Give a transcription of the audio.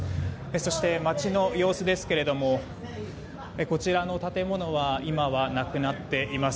そして街の様子ですがこちらの建物は今はなくなっています。